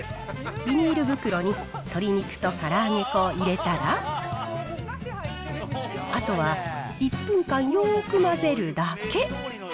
ビニール袋に鶏肉とから揚げ粉を入れたら、あとは１分間よーく混ぜるだけ。